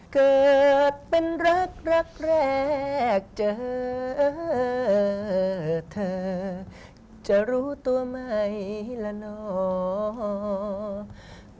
เกิดเป็นรักรักแรกเจอเธอจะรู้ตัวไหมล่ะเนาะ